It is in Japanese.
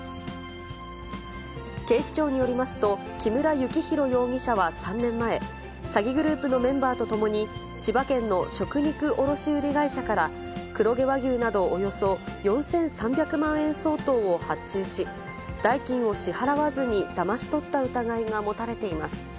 警視庁によりますと、木村幸弘容疑者は３年前、詐欺グループのメンバーと共に、千葉県の食肉卸売り会社から黒毛和牛などおよそ４３００万円相当を発注し、代金を支払わずにだまし取った疑いが持たれています。